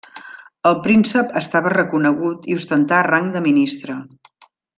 El príncep estava reconegut i ostentà rang de ministre.